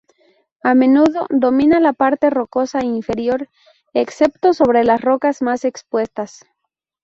A menudo domina la parte rocosa inferior, excepto sobre las rocas más expuestas.